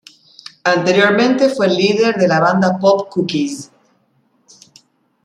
Anteriormente fue el líder de la banda pop Cookies.